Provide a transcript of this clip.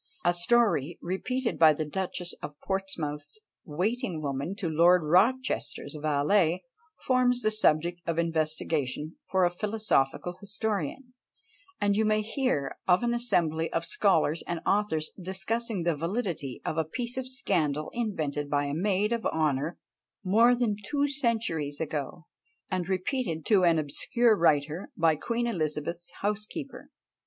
A story repeated by the Duchess of Portsmouth's waiting woman to Lord Rochester's valet forms the subject of investigation for a philosophical historian; and you may hear of an assembly of scholars and authors discussing the validity of a piece of scandal invented by a maid of honour more than two centuries ago, and repeated to an obscure writer by Queen Elizabeth's housekeeper.